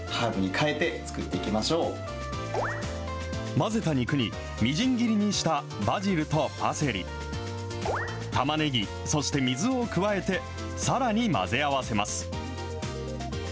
混ぜた肉に、みじん切りにしたバジルとパセリ、たまねぎ、そして水を加えて、さらに混ぜ合わせます。